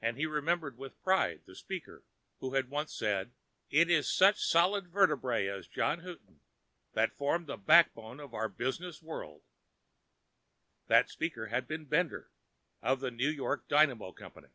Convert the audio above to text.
And he remembered with pride the speaker who had once said, "It is such solid vertebrae as Mr. Houghton that form the backbone of our business world." That speaker had been Bender, of the New York Dynamo Company.